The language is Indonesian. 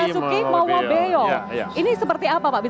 ini seperti apa pak bisa diseritakan